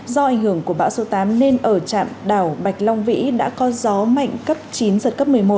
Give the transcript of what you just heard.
do ảnh hưởng của bão số tám nên ở trạm đảo bạch long vĩ đã có gió mạnh cấp chín giật cấp một mươi một